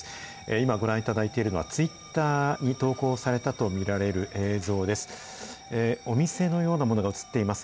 今、ご覧いただいているのは、ツイッターに投稿されたと見られる映像です。